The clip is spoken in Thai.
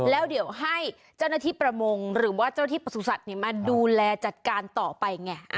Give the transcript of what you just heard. แล้วเดี๋ยวให้เจ้าหน้าที่ประมงหรือว่าเจ้าที่ประสุทธิ์มาดูแลจัดการต่อไปไง